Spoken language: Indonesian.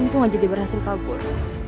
itu aja dia berhasil kabur